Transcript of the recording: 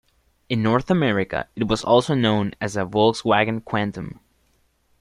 In North America, it was also known as the Volkswagen Quantum.